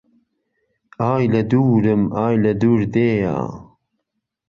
ئای لە دوورم ئای لە دوور دێیا